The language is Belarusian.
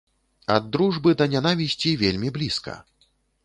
Ад дружбы да нянавісці вельмі блізка.